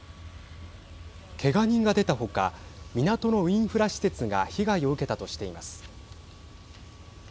けが人が出たほか港のインフラ施設が被害を受けたとしています。